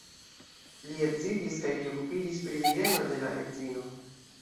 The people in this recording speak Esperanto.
Li edziĝis kaj li okupiĝis pri bieno de la edzino.